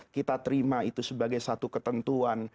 kita terima itu sebagai satu ketentuan